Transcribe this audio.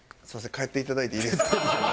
帰っていただいていいですか？